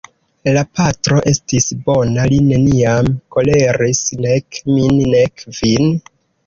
La patro estis bona, li neniam koleris, nek min, nek vin.